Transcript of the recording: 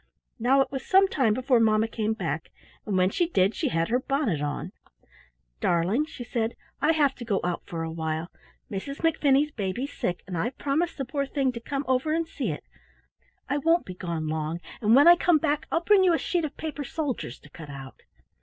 Now it was some time before mamma came back, and when she did she had her bonnet on. "Darling," she said, "I have to go out for a while. Mrs. McFinney's baby's sick, and I've promised the poor thing to come over and see it. I won't be gone long, and when I come back I'll bring you a sheet of paper soldiers to cut out."